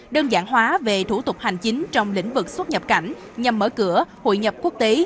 đơn giản hóa về thủ tục hành chính trong lĩnh vực xuất nhập cảnh nhằm mở cửa hội nhập quốc tế